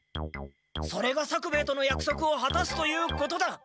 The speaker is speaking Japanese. それが作兵衛とのやくそくをはたすということだ。